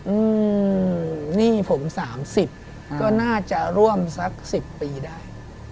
อืมนี่ผม๓๐ก็น่าจะร่วมสัก๑๐ปีได้